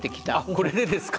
これでですか？